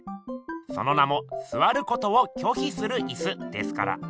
その名も「坐ることを拒否する椅子」ですから。